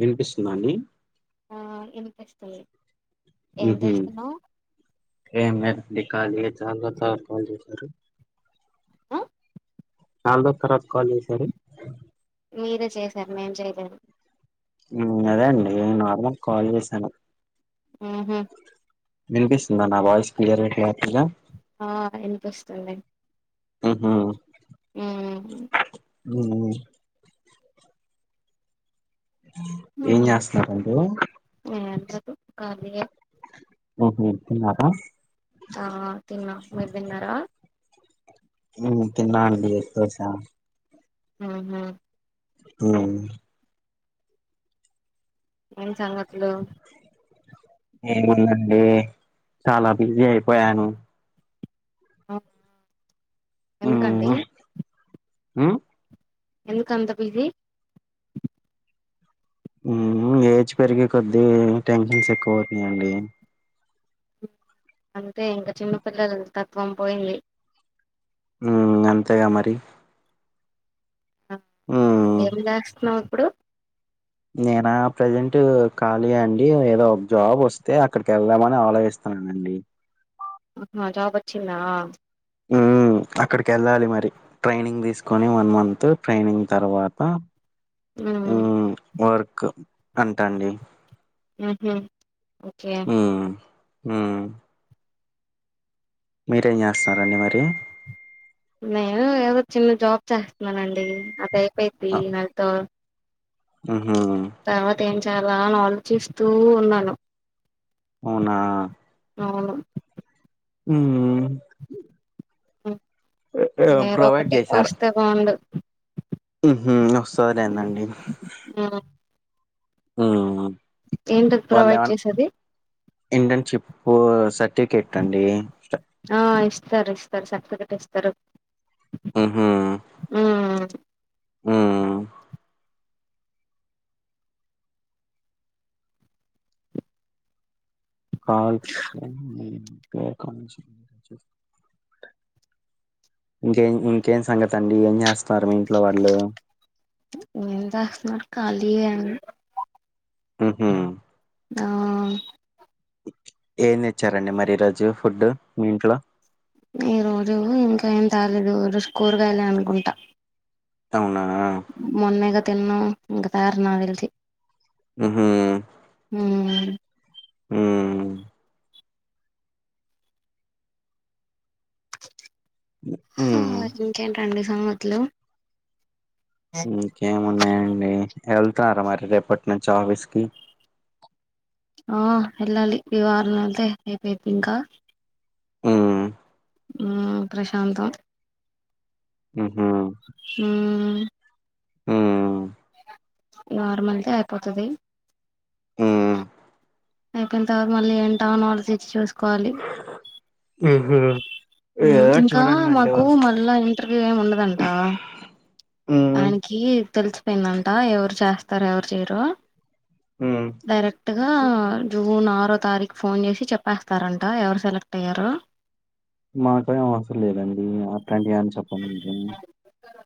వినిపిస్తుందా అండి ఆ ఇనిపిస్తుంది హుమ్మ్ ఏ [unintelligible] [inaudible] ఆ నాల్ ద కరాబ్ కాల్ చేసారు మీరే చేసారు మేం చెయ్ లేదు మ్ అదే అండి నార్మ కాల్ చేశాను ఉహూ వినిపిస్తుందా నా వాయిస్ క్లియర్లీ క్లా ఆ ఇన్పిస్ [unintelligible] ఆహా మ్ ఉ ఏం చేస్త్నారండి [inaudible] ఖాళీయే ఓకే తిన్నారా ఆ తిన్నా మీరు తిన్నారా మ్ తిన్నా అండి దోసా ఊహూ [unintelligible] ఏం సంగతులు ఏముందండి చాలా బిజీ అయిపోయాను అవునా ఎందుకండి మ్ ఎందుకంత బిజి మ్ హు ఏజ్ పెరిగే కొద్దీ టెన్షన్స్ ఎక్కువతున్నాయండి అదే తే ఇంక చిన్నపిల్లలు తత్వం పోయింది మ్ అంతేగా మరి ఆ ఉమ్ ఏం చేస్త్నావ్ ప్పుడు నేనా ప్రజెంట్ ఖాళీయే అండి ఏదో ఒక జాబ్ వొస్తే అక్కడికెళ్దామని ఆలోచిస్తున్నానండి ఆహ జాబ్ వచ్చిందా ఈ అక్కడికెళ్ళాలి మరి ట్రైనింగ్ తీసుకొని వన్ మంత్ ట్రైనింగ్ తర్వాత ఉమ్ వర్క్ అంటండి మ్ హూ ఓకే మ్ మీరేం చేస్తారండి మరి నేనూ ఏదో చిన్న జాబ్ చేస్తున్నానండి అదే ప్పేతి నల్తో ఉం [unintelligible] [unintelligible] అని ఆలోచిస్తూ ఉన్నాను అవునా అవును మ్మ్ ఏదో ఒకటి వస్తే బాగుండు వస్తలేందండి ఉమ్, మ్మ్ ఏంటది ప్రొవైడ్ వాళ్ళన్ చేసేది ఇంటర్న్షిప్ సర్టిఫికెట్ అండి ఆ ఇస్తారు ఇస్తారు సర్టిఫికెట్ ఇస్తారు హు హు మ్మ్ హమ్ కాల్స్ ఇంకే ఇంకేం సంగతి అండి ఏం చేస్ [unintelligible] మీ ఇంట్లో వాళ్ళు ఏం చేస్తున్నారు [unintelligible] హమ్ హు ఆ ఏం తెచ్చారండి మరి ఈ రోజు ఫుడ్డు మీ ఇంట్లో ఈ రోజు ఇంకా ఏం తాలేదు రోజు కూరగాయలే అనుకుంటా అవునా మౌన్నై కదా [unintelligible] ఇంకా తయారు నాకు తెలిసి హమ్ మ్ మ్ ఉమ్ ఇంకెంటండి సంగతులు ఇంకే ఉవున్నాయండి వెళ్తారా మరి రేపటి నుంచి ఆఫీస్ కి ఆ వెళ్ళాలి ఈ వారం వెళ్తే అయిపోయిద్ది ఇంకా మ్ ఆ ప్రశాంతం మ్మ్ హు మ్ మ్ నార్మల్ దే అయిపోతాది ఉమ్ పోయిన తర్వాత మళ్ళీ ఏంటా [unintelligible] చూసుకోవాలి ఆహ ఇంకా మాకు మళ్ళా ఇంట్రె ఇ ఏమి ఉండదంటా ఉమ్ ఆయననికి తెలుసు పోయిందంట ఎవరు చేస్తారు ఎవరు చేయరు హ్మ్ కరెక్టుగా జూన్ ఆరో తారీఖు ఫోన్ చేసి చెప్పేస్తారంట ఎవరు సెలెక్ట్ అయ్యారో మాకే అవసరం లేదండి అట్లాంటియి చెప్పండి ఇంకేమి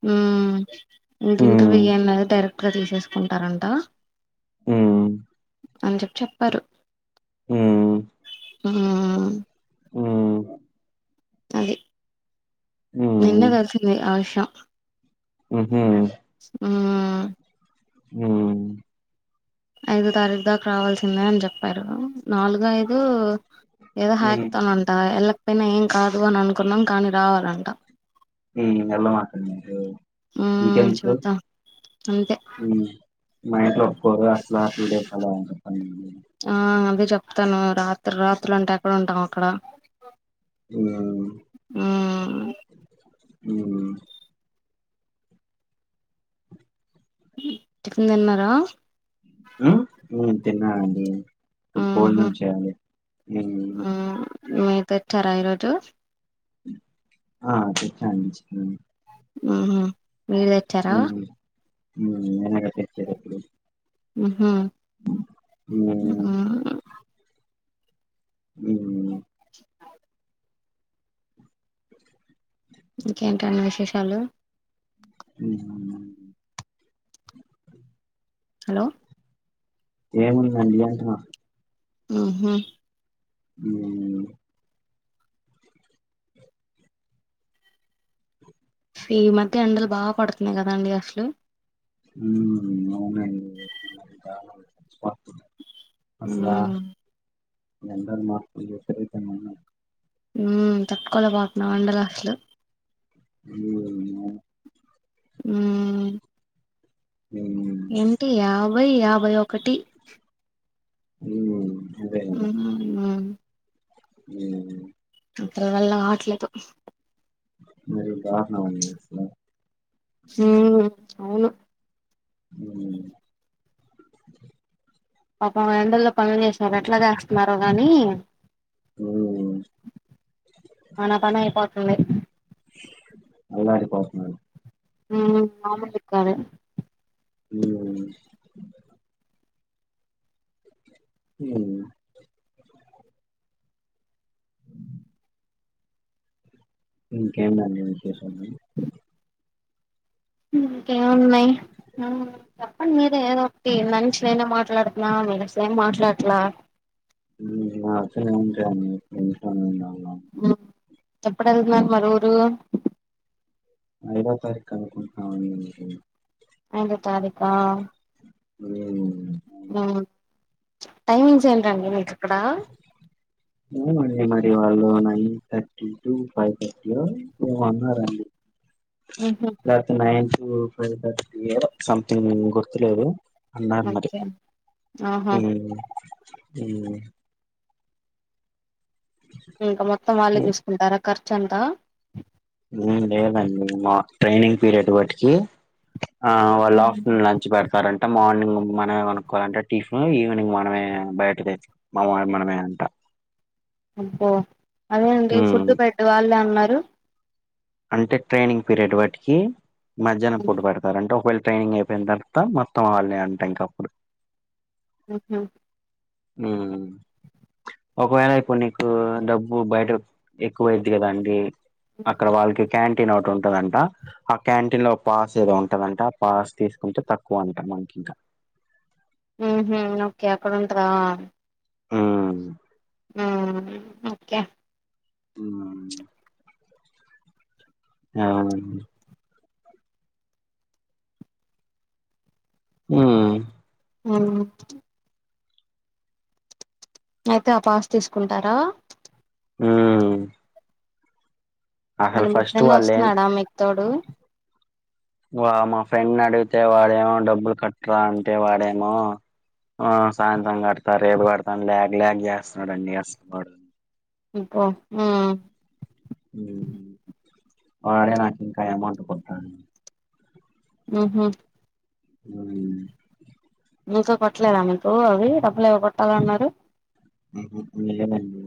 హ్మ్ ఇంక ఇంటర్వ్యూ ఇయ్యండి అవుతారు ఇక్కడే తీసేసుకుంటారంట హ్మ్ అని చెప్పి చెప్పారు ఉమ్ హ్మ్ హ్మ్ అది నిన్నే తెలిసింది ఆ విషయం ఊహూ హ్మ్ హమ్ ఐదో తారీఖు దాకా రావాల్సిందే అని చెప్పారు నాలుగు ఐదు ఏదో హ్మ్. హాకతానంట ఎలా పయిన ఏం కాదు అని అనుకున్నాం కానీ రావాలంట హమ్ వెళ్ళమాక మ్మ్ ఇంకెందుకు చూద్దాం అంతే మా ఇంట్లో ఫోర్ డేస్ అలా టూ డేస్ ఆలా ఆ అదే చెప్తాను రాత్రి రాత్రులు అంటే ఎక్కడ ఉంటాం అక్కడ హ్మ్ మ్మ్ హ్మ్ టిఫెన్ తిన్నారా హమ్ తిన్నానండి మ్మ్ ఫుట్బాల్ హు నుంచిచేయాలి మ్మ్ మీరు తెచ్చారా ఈ రోజు ఆ తెచ్చ అండి చికెన్ ఆ హమ్ మీరు తెచ్చారా హ్మ్. నేనేగా తెచ్చేదెప్పుడు. హు హమ్ హ్మ్. హమ్ హమ్ ఇంకేంటండి విశేషాలు హ హలో ఏముందండి అంటున్నా ఆహ హమ్ ఈ మధ్య ఎండలు బాగా పడుతున్నాయి కదండి అసలు మ్ హూ అవునండి ఇంకా అసలా మ్మ్ జనర్ల్ మార్పులు చేస్తరు ఇతను ఊ మ్ తట్టుకోలేకపోతున్నాం ఎండలు అసలు ఉ నామ్ ఊ ఈ ఏంటి యాభై యాభై ఒకటి ఉహు ఉ ఊ ఏ హ అతన వళ్ళ కావట్లేదు మరి బహనా ఉన్నవని చేసిన హు అవును ఇ అప్ప వండల్ పనులు చేశారు ఎట్లా చేస్తన్నారు గని మన పని అయిపోతుంది బస్న్నాన్ ఆ మాములు కారే హు అ ఇంకేం చేస్ అవి ఇంకేమున్నాయి చెప్పండి మీరు ఏదోటి మంచి నైనే మాట్లాడుతున్నా మీరసలు ఏం మాట్లాడట్లా మాకు అసలు ఏముంటాయి అండి అ ఎప్పుడు వెళ్తున్నారు మరు ఊరు ఐదవ తారీకు అనుకుంటున్నామండి మీరు ఐదు తారీఖా ఉ ఆ టైమింగ్స్ ఏంటండి మీకు అక్కడ. ఇవ్వాలో nine thirty to five thirty ఓ ఏమో అన్నారండి. ఉహు లేపోతే నైన్. ఫైవ్ థర్టీ ఏదో సంథింగ్ గుర్తులేదు. అన్నారు మరి. ఓకే ఆహా ఉహు ఉహు ఇంకా మొత్తం వాళ్ళు చుసుకుంటారా ఖర్చు. ఖర్చు అంత. లేదండి మా ట్రైనింగ్ పీరియడ్ వాటికి. ఆ వాళ్ళు ఆఫ్టర్నూన్ లంచ్ పెడతారంటే మార్నింగ్. మనమే కోనుకోవాలంటే టిఫిన్. ఈవినింగ్ మనమే బయట తెచ్చుకో మామ మనమే అంట. అబ్బో అదే అండి ఉమ్, ఫుడ్ బెడ్ వాళ్ళు అన్నారు. హలో అంటే ట్రైనింగ్ పీరియడ్ వాటికి. మధ్యాహనం ఉమ్ ఫుడ్ పెడతారు అంటే ఒక. ట్రైనింగ్ అయిపోయిన తర్వాత. మొత్తం వాళ్లే అంట ఇంకా అప్పుడు, ఉహు హు ఒకవేళ ఇప్పుడు. నీకు డబ్బు బయట ఎక్కువ అయిది కదా అండి, అక్కడ వాళ్లకి. క్యాంటీన్ ఒకటి ఉంటదంట. ఆ క్యాంటీన్ లో పాస్ ఏదో ఉంటందంట. ఆ పాస్ తీసుకుంటే తక్కువ అంట మనకి ఇంకా, ఉహు ఓకే అక్కడ ఉంటందా. ఊ ఆ ఓకే ఉ ఆ ఉహు ఆ అయితే ఆ పాస్ తీసుకుంటారా, ఊ మన మీ ఫ్రెండ్ వాళ్ళేం వస్తున్నాడా మీకు తోడు, వా మా ఫ్రెండ్ అడిగితే వాడేమో. డబ్బులు కట్టరా అంటే వాడేమో. ఆ సాయంత్రం కడతా రేపు కడతాను. లాగ్ లాగ్ చేస్తున్నాడండి అసలు వాడు, పో ఉహు హు వాడే నాకు ఇంకా అమౌంట్ కొట్ట ఉహు హు నుతో కొట్టలేదా మీకు అవి డబ్బులు ఎవో కొట్టాలి అన్నారు లేదు అండి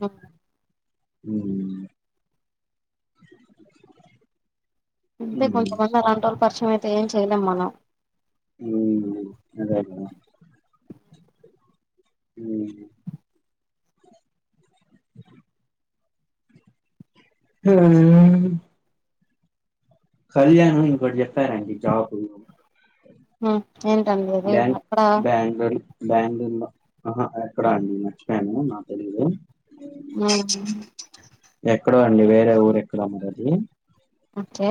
మ్మ్ మ్మ్ అంటే కొంతమంది అలాంటివోళ్ళు పరిచయం అయితే ఏం చేయలేం మనం హ్మ్. అదే కదా! హ్మ కళ్యాణ్ ఇంకోటి చెప్పాడు అండి జాబు హ్మ బ్యాంక్ బ్యాంగ బెంగుళూరు లో ఆహా ఎక్కడ అండి మర్చిపోయాను నాకు తెలియదు ఉమ్ ఎక్కడో అండి వేరే ఊరు ఎక్కడో ఉన్నారు మ్మ్ ఓకే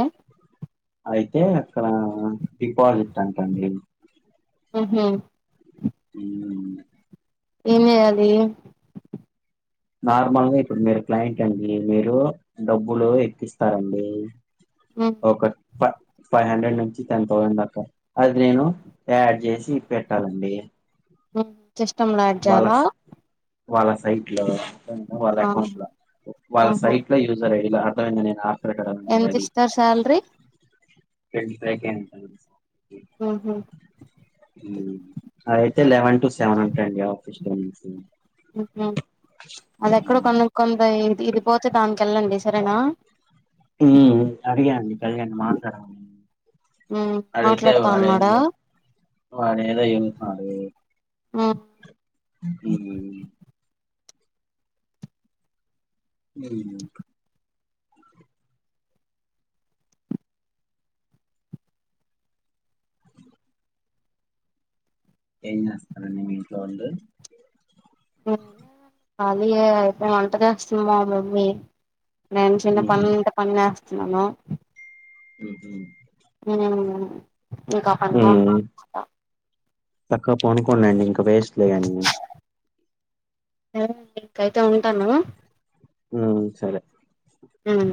అక్కడ డిపాజిట్ అంటండి మ్మ్ హ్మ్ మ్మ్ ఏం చేయాలి నార్మల్ గా ఇప్పుడు మీరు క్లయింట్ అండి మీరు డబ్బులు ఎక్కిస్తారండి ఉమ్ ఓకట్ ఫై ఫైవ్ హండ్రెడ్ నుంచి టెన్ థౌజండ్ దాకా అది నేను యాడ్ చేసి పెట్టాలండి మ్మ్ వాళ్ళల్ వాళ్ళ సైట్ లో వాళ్ళ ఆ అకౌంట్ లో వాళ్ళ ఆహా సైట్ లో యూజర్ ఐడి దాటంగనే ఎంత ఇస్తారు సాలరీ ట్వంటీ ఫైవ్ కే అంట అంది మ్మ్ హ్మ్ మ్మ్ అయితే లెవెన్ టు సెవెన్ అండి టైమింగ్స్ అది ఎక్కడ కొన్ని కొందీ ఇది పోతే దానికి వెళ్ళండి సరేనా అడిగాండి కళ్యాణి మాట్లాడాలి ఉమ్ అడిగితే మాట్లాడుతా అన్నాడా వాడేదో వాడేదో చెబుతున్నాడు ఉమ్ మ్మ్ హ్మ్ మ్మ్ ఏం చేస్తానండి మీ ఇంట్లో వాళ్లు కాలి ఐ వంట చేస్తుంది మా మమ్మీ నేను చిన్న ఉమ్ పనులు ఉంటే పని చేస్తున్నాను మ్మ్ హ్మ్ ఉమ్ ఇంకా పని లో ఉన్న ఉమ్, ఇంకా తక్కువ పడుకోని లెండి ఇంకా వేస్ట్లే గాని ఇంయితే ఉంటాను. ఉ సరే. హు